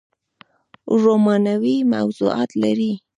رومانوي موضوعات لري